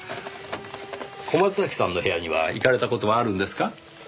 小松崎さんの部屋には行かれた事はあるんですか？